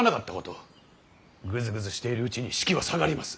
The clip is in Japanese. グズグズしているうちに士気は下がります。